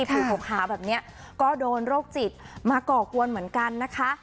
ผูกขาวแบบนี้ก็โดนโรคจิตมาก่อกวนเหมือนกันนะคะ